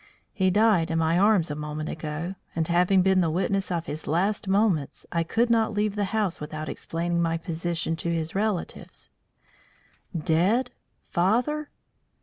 He died in my arms a moment ago; and having been the witness of his last moments, I could not leave the house without explaining my position to his relatives." "Dead! Father?"